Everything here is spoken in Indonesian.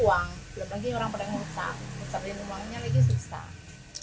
lebih lagi orang pada nge upside nge upside di rumahnya lagi susah